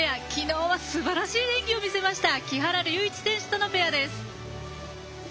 きのうはすばらしい演技を見せました木原龍一選手とのペアです。